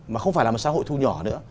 mà không phải là một xã hội thu nhỏ nữa